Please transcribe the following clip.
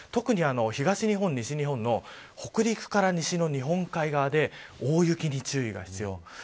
東日本、西日本の北陸から西の日本海側で大雪に注意が必要。